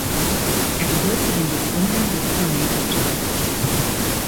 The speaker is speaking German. Er gehört zu den Begründern des "Flamenco Jazz.